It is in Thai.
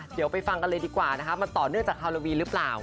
เดี๋ยวไปฟังกันเลยดีกว่ามันต่อเนื่องจากฮาเลาวีลึเปล่า